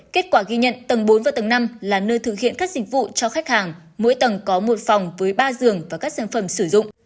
kết quả ghi nhận tầng bốn và tầng năm là nơi thực hiện các dịch vụ cho khách hàng mỗi tầng có một phòng với ba giường và các sản phẩm sử dụng